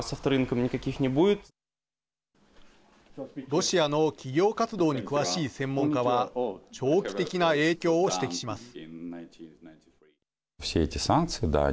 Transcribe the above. ロシアの企業活動に詳しい専門家は長期的な影響を指摘します。